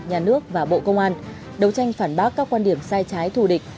nhà nước và bộ công an đấu tranh phản bác các quan điểm sai trái thù địch